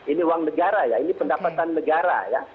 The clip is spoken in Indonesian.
ini uang negara ya ini pendapatan negara ya